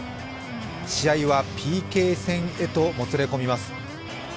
試合はＰＫ戦へともつれ込みます。